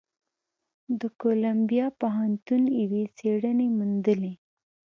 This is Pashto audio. د کولمبیا پوهنتون یوې څېړنې موندلې،